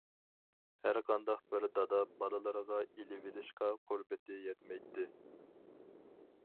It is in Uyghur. ھەرقانداق بىر دادا بالىلىرىغا ئېلىۋېلىشقا قۇربىتى يەتمەيتتى.